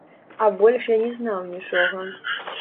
А больш я не знаў нічога.